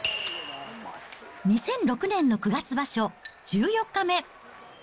２００６年の９月場所１４日目。